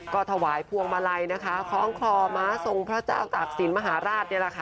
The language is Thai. ก็ถวายพวงมาลัยนะคะคล้องคลอม้าทรงพระเจ้าตากศิลป์มหาราชนี่แหละค่ะ